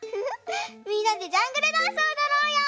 みんなでジャングルダンスをおどろうよ！